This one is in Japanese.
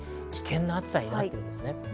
危険な暑さになっていますね。